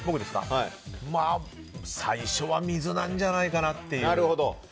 最初は水なんじゃないかなって。